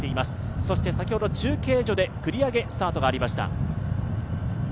そして先ほど中継所で繰り上げスタートがありました。